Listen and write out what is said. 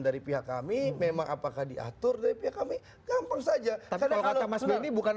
dari pihak kami memang apakah diatur dari pihak kami gampang saja kalau kata mas benny bukan